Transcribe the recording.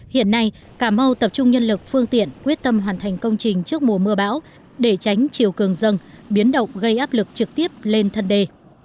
hiện nay cà mau tập trung nhân lực phương tiện quyết tâm hoàn thành công trình trước mùa mưa bão để tránh chiều cường dân biến động gây áp lực trực tiếp lên thân đề